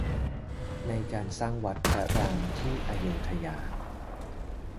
ในการสร้างวัดพระรามที่อโยธยา